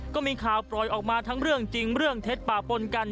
ก็มีข่าวปล่อยออกมาทั้งเรื่องจริงเรื่องเท็จป่าปนกัน